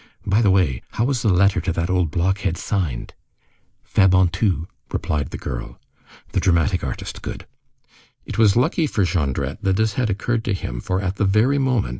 By the way, how was the letter to that old blockhead signed?" "Fabantou," replied the girl. "The dramatic artist, good!" It was lucky for Jondrette, that this had occurred to him, for at the very moment, M.